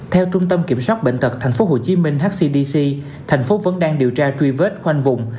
theo trung tâm kiểm soát bệnh tật tp hcm hcdc thành phố vẫn đang điều tra truy vết khoanh vùng